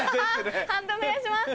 判定お願いします。